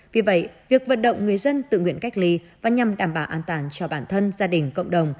vì vậy việc vận động người dân tự nguyện cách ly và nhằm đảm bảo an toàn cho bản thân gia đình cộng đồng